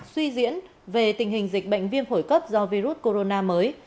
suy diễn về tình hình dịch bệnh viêm phổi cấp do virus corona mới